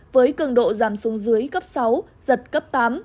với cường độ giảm xuống dưới cấp sáu giật cấp tám